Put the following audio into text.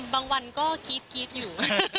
บางวันก็กรี๊ดอยู่